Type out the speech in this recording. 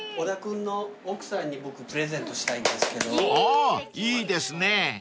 ［あっいいですね］